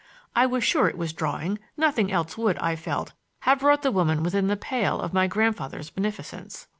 I was sure it was drawing; nothing else would, I felt, have brought the woman within the pale of my grandfather's beneficence.